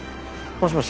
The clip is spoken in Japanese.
もしもし。